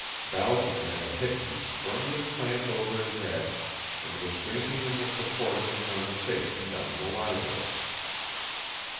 Balcom had the headpiece firmly clamped over his head and was drinking in the purport of the conversation down in the library.